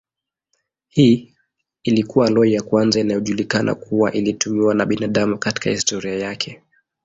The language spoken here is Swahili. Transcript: Hii ilikuwa aloi ya kwanza inayojulikana kuwa ilitumiwa na binadamu katika historia yake.